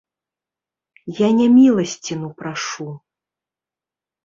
Я не міласціну прашу!